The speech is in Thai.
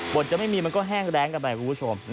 จะไม่มีมันก็แห้งแรงกันไปคุณผู้ชม